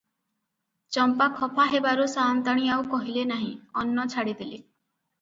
ଚମ୍ପା ଖପା ହେବାରୁ ସାଆନ୍ତାଣୀ ଆଉ କହିଲେ ନାହିଁ, ଅନ୍ନ ଛାଡ଼ିଦେଲେ ।